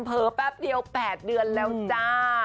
แป๊บเดียว๘เดือนแล้วจ้า